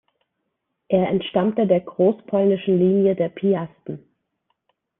Er entstammte der großpolnischen Linie der Piasten.